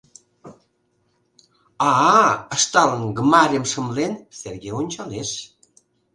— А-а! — ышталын, Гмарьым шымлен, Сергей ончалеш.